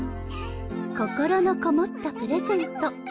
心のこもったプレゼント。